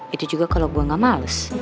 itu juga kalau gue gak males